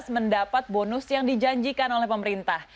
mendapat bonus yang dijanjikan oleh pemerintah